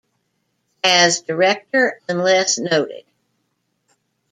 "As director unless noted"